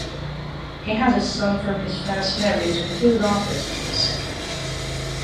He has a son from his first marriage and two daughters from the second.